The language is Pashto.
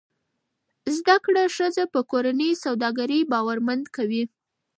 زده کړه ښځه په کورني سوداګرۍ باورمند کوي.